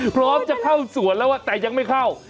พร้อมจะเข้าสวนแล้วแต่ยังไม่เข้า